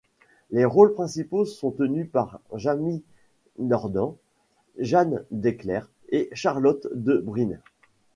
Les rôles principaux sont tenus par Jamie Dornan, Jan Decleir et Charlotte De Bruyne.